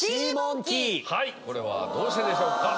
はいこれはどうしてでしょうか？